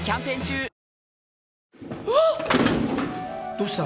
どうした？